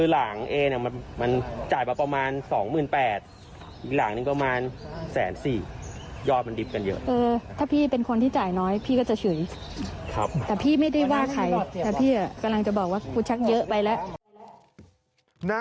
นางสาวชะยานัดบอกว่า